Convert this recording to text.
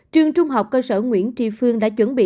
trường trung học cơ sở nguyễn tri phương quận ba đình hà nội